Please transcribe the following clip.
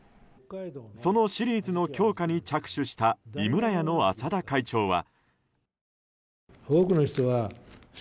そのシリーズの強化に着手した井村屋の浅田会長は。